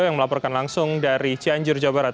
yang melaporkan langsung dari cianjur jawa barat